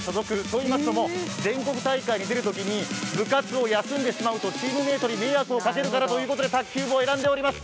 といいますのも、全国大会に出るときに部活を休んでしまうとチームメートに迷惑をかけるからということで卓球部を選んでいます。